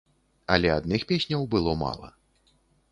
Але адных песняў было мала.